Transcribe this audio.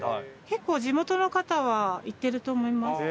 結構地元の方は行ってると思います。